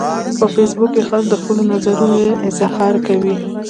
په فېسبوک کې خلک د خپلو نظرونو اظهار کوي